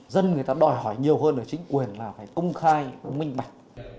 dân người ta đòi hỏi nhiều hơn ở chính quyền là phải công khai minh bạch